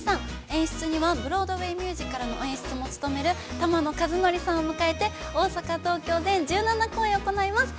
演出にはブロードウェイミュージカルの演出も務める玉野和紀さんを迎えて、大阪・東京、全１７公演行います。